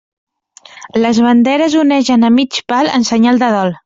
Les banderes onegen a mig pal en senyal de dol.